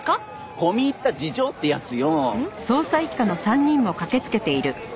込み入った事情ってやつよ。